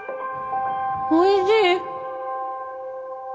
おいしい！